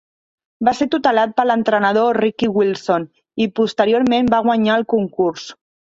Va ser tutelat per l'entrenador Ricky Wilson i posteriorment va guanyar el concurs.